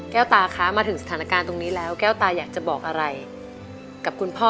ตาคะมาถึงสถานการณ์ตรงนี้แล้วแก้วตาอยากจะบอกอะไรกับคุณพ่อ